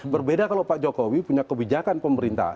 berbeda kalau pak jokowi punya kebijakan pemerintah